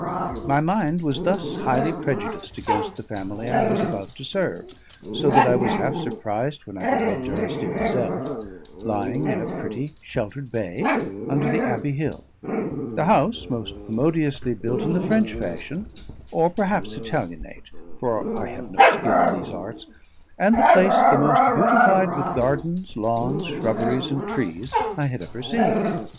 My mind was thus highly prejudiced against the family I was about to serve, so that I was half surprised when I beheld Durrisdeer itself, lying in a pretty, sheltered bay, under the Abbey Hill; the house most commodiously built in the French fashion, or perhaps Italianate, for I have no skill in these arts; and the place the most beautified with gardens, lawns, shrubberies, and trees I had ever seen.